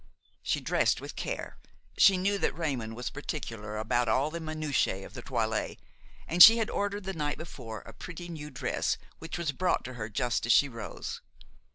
She dressed with care; she knew that Raymon was particular about all the minutiæ of the toilet, and she had ordered the night before a pretty new dress which was brought to her just as she rose.